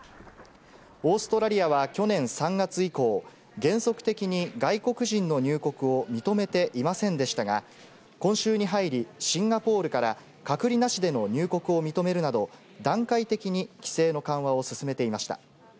オーストラリアは去年３月以降、原則的に外国人の入国を認めていませんでしたが、今週に入り、シンガポールから隔離なしでの入国を認めるなど、段階的に規制の緩和を進めていました。